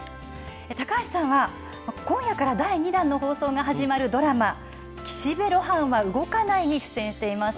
高橋さんは、今夜から第２弾の放送が始まるドラマ、岸辺露伴は動かないに出演しています。